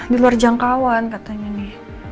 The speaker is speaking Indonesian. di luar jangkauan katanya nih